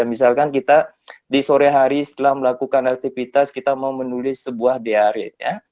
misalkan kita di sore hari setelah melakukan aktivitas kita mau menulis sebuah diare ya